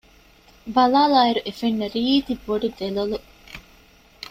ބަލާލާއިރު އެފެންނަ ރީތި ބޮޑު ދެލޮލު